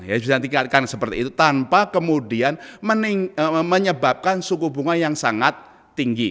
yang sudah ditingkatkan seperti itu tanpa kemudian menyebabkan suku bunga yang sangat tinggi